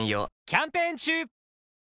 キャンペーン中！